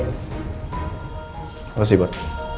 terima kasih pak